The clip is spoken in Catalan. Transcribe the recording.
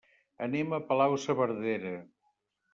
Anem a Palau-saverdera.